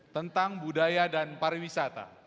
tentang budaya dan pariwisata